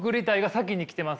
先に来てますよね。